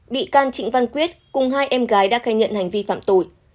bị can trịnh văn quyết cùng hai em gái đã khai nhận hành vi phạm tội